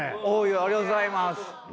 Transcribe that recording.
ありがとうございます。